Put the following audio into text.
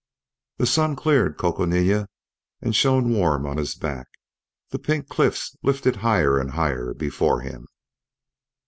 The sun cleared Coconina and shone warm on his back; the Pink Cliffs lifted higher and higher before him.